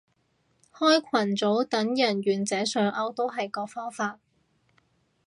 開群組等人願者上釣都係個方法